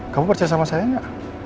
kamu percaya sama saya nggak